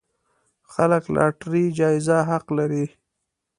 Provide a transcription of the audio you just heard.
خلک لاټرۍ جايزه حق لري.